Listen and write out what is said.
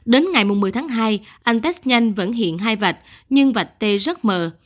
đến ngày một mươi tháng hai anh test nhanh vẫn hiện hai vạch nhưng vạch tê rất mờ